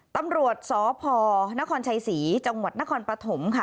ตำรวจสพนครชัยศรีจังหวัดนครปฐมค่ะ